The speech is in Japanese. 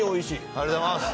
ありがとうございます！